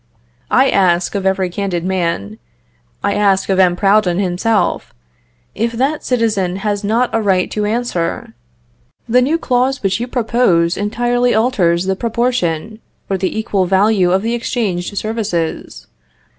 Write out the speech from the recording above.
I ask of every candid man, I ask of M. Proudhon himself, if the citizen has not a right to answer, "The new clause which you propose entirely alters the proportion or the equal value of the exchanged services.